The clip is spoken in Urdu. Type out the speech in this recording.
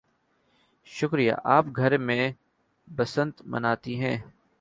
شکریہ. آپ گھر میں بسنت مناتی ہیں؟